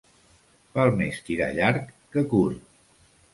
Val més tirar llarg que curt.